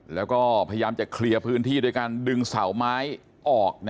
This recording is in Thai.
แล้วก็พยายามจะเคลียร์พื้นที่ด้วยการดึงเสาไม้ออก